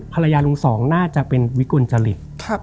ลุงสองน่าจะเป็นวิกลจริต